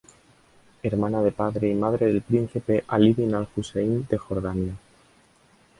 Hermana de padre y madre del príncipe Ali bin al Hussein de Jordania.